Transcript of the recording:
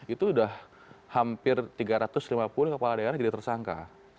itu sudah hampir tiga ratus lima puluh kepala daerah jadi tersangka